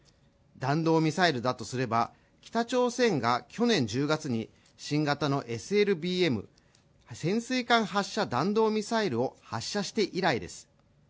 弾道ミサイルだとすれば北朝鮮が去年１０月に新型のＳＬＢＭ＝潜水艦発射弾道ミサイルを発射して以来です